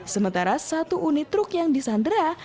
sementara satu unit truk yang disandera